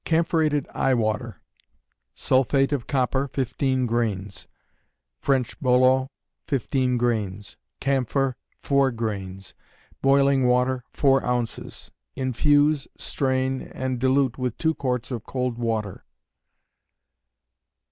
Camphorated Eye Water. Sulphate of copper, 15 grains; French bolo, 15 grains; camphor, 4 grains; boiling water, 4 oz. Infuse, strain, and dilute with 2 quarts of cold water.